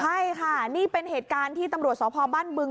ใช่ค่ะนี่เป็นเหตุการณ์ที่ตำรวจสพบ้านบึง